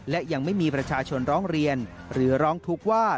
และยังไม่มีประชาชนร้องเรียนหรือร้องทุกข์ว่า